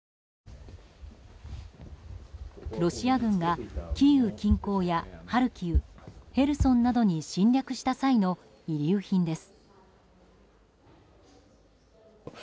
ロシア軍がキーウ近郊やハルキウヘルソンなどに侵略した際の遺留品です。